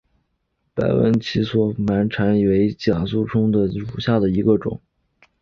白纹歧脊沫蝉为尖胸沫蝉科歧脊沫蝉属下的一个种。